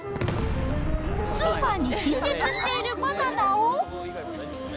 スーパーに陳列しているバナナを。